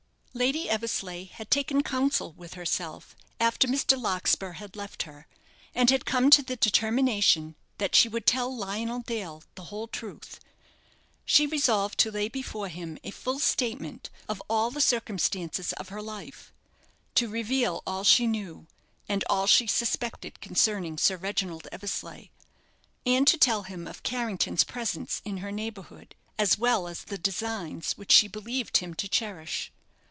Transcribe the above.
Lady Eversleigh had taken counsel with herself after Mr. Larkspur had left her, and had come to the determination that she would tell Lionel Dale the whole truth. She resolved to lay before him a full statement of all the circumstances of her life, to reveal all she knew, and all she suspected concerning Sir Reginald Eversleigh, and to tell him of Carrington's presence in her neighbourhood, as well as the designs which she believed him to cherish.